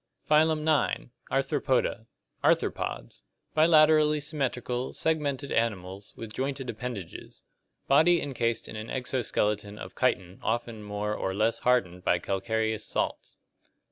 Phylum IX. Arthropoda (Gr. apQpw, joint, and irovq, foot). Arthropods. Bilaterally symmetrical, segmented animals, with jointed appendages. Body encased in an exo skeleton of chitin often more or less hardened by calcareous salts.